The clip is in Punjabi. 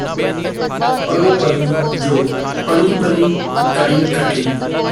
ਪਲੋ ਪਲੀ ਜੋ ਪਲੀ ਪਲੀ ਕਰੀ ਕੱਠੀ